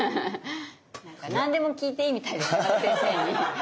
何でも聞いていいみたいですよ山田先生に。